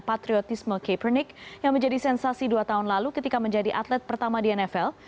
patriotisme kepernic yang menjadi sensasi dua tahun lalu ketika menjadi atlet pertama di nfl